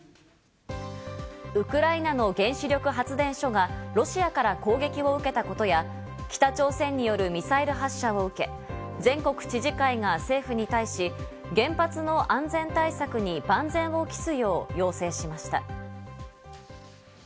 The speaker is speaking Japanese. ウクライナの原子力発電所がロシアから攻撃を受けたことや、北朝鮮によるミサイル発射を受け、全国知事会が政府に対し、原発の安全対策に万全を期すよう要請しました。